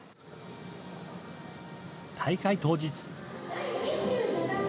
大会当日。